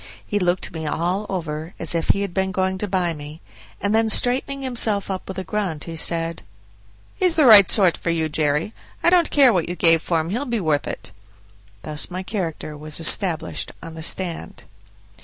He looked me all over, as if he had been going to buy me; and then straightening himself up with a grunt, he said, "He's the right sort for you, Jerry; I don't care what you gave for him, he'll be worth it." Thus my character was established on the stand.